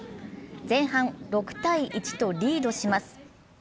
前半６−１とリードします。